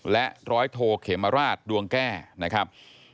และร้อยโทเขมราชดวงแก้นะครับ